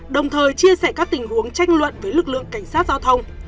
đồng thời chia sẻ các tình huống tranh luận với lực lượng cảnh sát giao thông